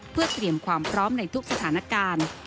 เพื่อเตรียมความพร้อมในทุกสถานการณ์